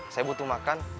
saya butuh makan